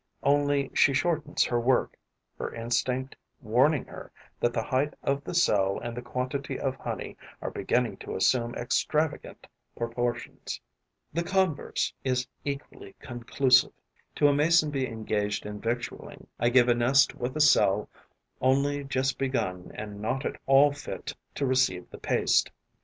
Only she shortens her work, her instinct warning her that the height of the cell and the quantity of honey are beginning to assume extravagant proportions. The converse is equally conclusive. To a Mason bee engaged in victualling I give a nest with a cell only just begun and not at all fit to receive the paste.